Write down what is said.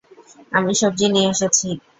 আমি সবজি নিয়ে এসেছি।